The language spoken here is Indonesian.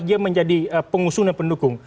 dia menjadi pengusung dan pendukung